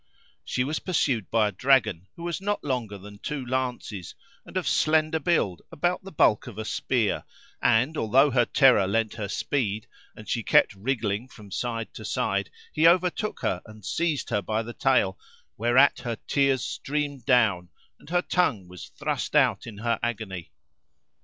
She was pursued by a Dragon[FN#324] who was not longer than two lances, and of slender build about the bulk of a spear and, although her terror lent her speed, and she kept wriggling from side to side, he overtook her and seized her by the tail, whereat her tears streamed down and her tongue was thrust out in her agony.